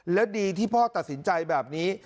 และดีที่พ่อตัดสินใจแบบนี้